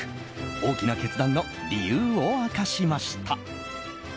大きな決断の理由を明かしました。